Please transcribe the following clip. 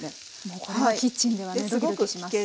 もうこれはキッチンではねドキドキします。